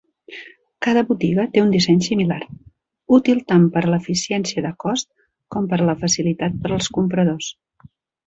Cada botiga té un disseny similar, útil tant per a l'eficiència de cost com per a la facilitat per als compradors.